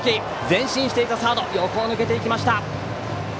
前進していたサードの横を抜けていきました。